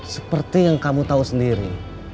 seperti yang kamu tahu sendiri